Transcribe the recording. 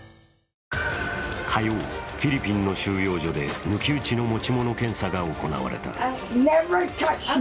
火曜、フィリピンの収容所で抜き打ちの持ち物検査が行われた。